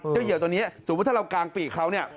เหยื่อตัวนี้สมมุติถ้าเรากางปีกเขาเนี่ย